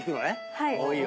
はい。